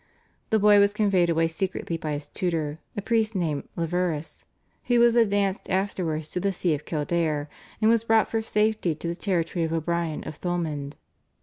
The boy was conveyed away secretly by his tutor, a priest named Leverous, who was advanced afterwards to the See of Kildare, and was brought for safety to the territory of O'Brien of Thomond.